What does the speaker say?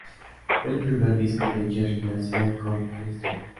Fue el primer disco de Jerry Garcia con Arista.